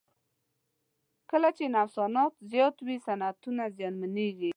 کله چې نوسانات زیات وي صنعتونه زیانمنوي.